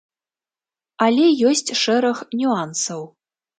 Але ёсць шэраг нюансаў.